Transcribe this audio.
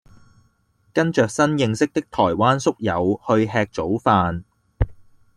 跟著新認識的台灣宿友去吃早飯